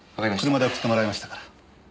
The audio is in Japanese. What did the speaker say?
車で送ってもらいましたから。